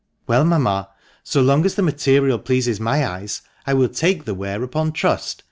" Well, mamma, so long as the material pleases my eyes, I will take the wear upon trust.